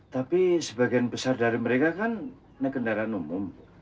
tapi sebagian besar dari mereka kan ini kendaraan umum